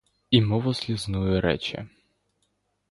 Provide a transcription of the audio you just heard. І мову слезную рече: